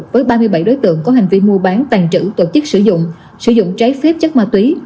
với ba mươi bảy đối tượng có hành vi mua bán tàn trữ tổ chức sử dụng sử dụng trái phép chất ma túy